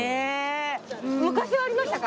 昔はありましたか？